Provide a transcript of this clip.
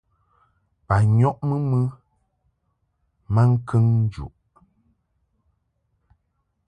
Bo nyɔʼmɨ mɨ maŋkəŋ njuʼ.